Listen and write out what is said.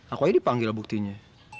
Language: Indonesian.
aku aja dipanggil buktinya